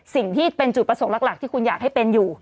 สิ่งที่เป็นจุดประสงค์หลักที่คุณอยากให้เป็นอยู่